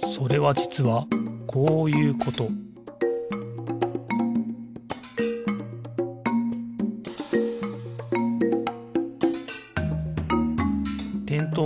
それはじつはこういうことてんとう